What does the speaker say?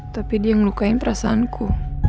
tapi dia yang melukai perasaanku